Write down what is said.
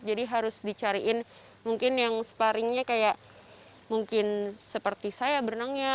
jadi harus dicariin mungkin yang sparingnya kayak mungkin seperti saya berenangnya